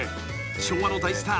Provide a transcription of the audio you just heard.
［昭和の大レスラー］